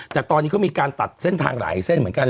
แต่ตอนนี้ก็มีการตัดเส้นทางหลายเส้นเหมือนกัน